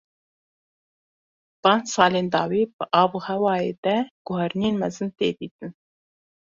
Van salên dawî di avûhewayê de guherînên mezin tê dîtin.